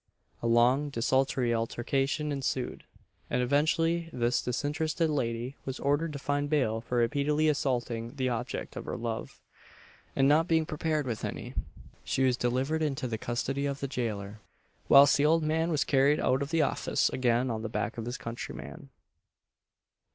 A long desultory altercation ensued, and eventually this disinterested lady was ordered to find bail for repeatedly assaulting the object of her love; and not being prepared with any, she was delivered into the custody of the gaoler, whilst the old man was carried out of the office again on the back of his countryman.